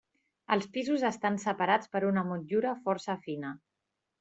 Els pisos estan separats per una motllura força fina.